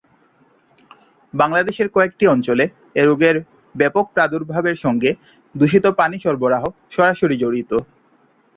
বাংলাদেশের কয়েকটি অঞ্চলে এ রোগের ব্যাপক প্রাদুর্ভাবের সঙ্গে দূষিত পানি সরবরাহ সরাসরি জড়িত।